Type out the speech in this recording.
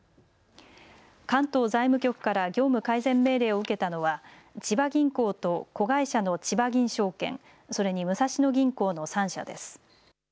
関東財務局から業務改善命令を受けたのは千葉銀行と子会社のちばぎん証券、それに武蔵野銀行の３社です。